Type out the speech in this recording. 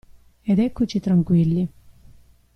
Ed eccoci tranquilli.